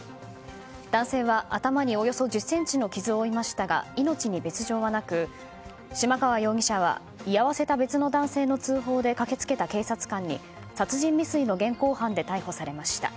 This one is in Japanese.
男性は頭におよそ１０ｃｍの傷を負いましたが命に別条はなく、嶋川容疑者は居合わせた別の男性の通報で駆け付けた警察官に殺人未遂の現行犯で逮捕されました。